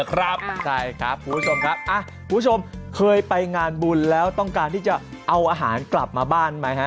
ครูกัดคุณผู้ชมเคยไปงานบุลแล้วต้องการที่จะเอาอาหารกลับมาบ้านไหม